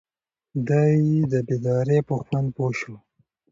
دی د بیدارۍ په خوند پوه شو.